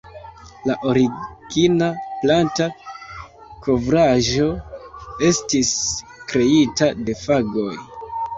La origina planta kovraĵo estis kreita de fagoj.